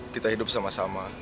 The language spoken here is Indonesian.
kita hidup sama sama